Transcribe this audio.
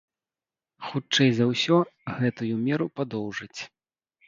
Хутчэй за ўсё, гэтую меру падоўжаць.